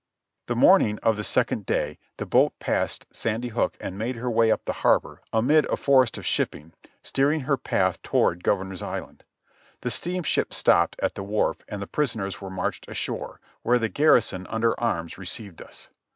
The morning of the second day the boat passed Sandy Hook and made her way up the harbor amid a forest of shipping, steer ing her path toward Governor's Island. The steamship stopped at the wharf and the prisoners were marched ashore, where the garrison under arms received us.